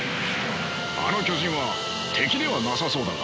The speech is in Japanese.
あの巨人は敵ではなさそうだが。